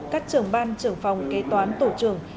các trưởng ban trưởng phòng kế toán tổ trưởng